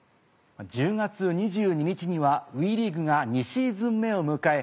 １０月２２日にはＷＥリーグが２シーズン目を迎え